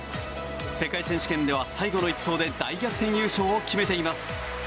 世界選手権では最後の１投で大逆転優勝を決めています。